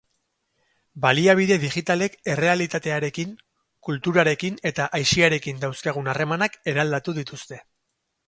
Baliabide digitalek errealitatearekin, kulturarekin eta aisiarekin dauzkagun harremanak eraldatu dituzte.